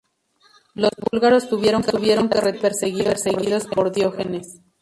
Los búlgaros tuvieron que retirarse perseguidos por Diógenes.